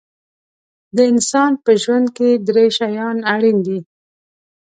د انسان په ژوند کې درې شیان اړین دي.